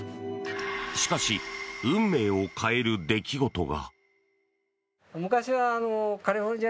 しかし、運命を変える出来事が。